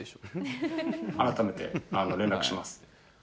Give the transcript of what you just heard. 改めて連絡します。